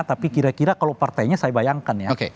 tapi kira kira kalau partainya saya bayangkan ya